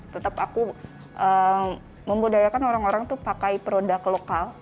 tetap aku memudayakan orang orang tuh pakai produk lokal